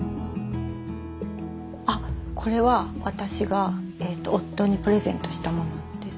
あっこれは私が夫にプレゼントしたものです。